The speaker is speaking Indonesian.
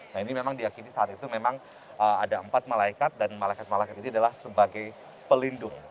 nah ini memang diakini saat itu memang ada empat malaikat dan malaikat malaikat ini adalah sebagai pelindung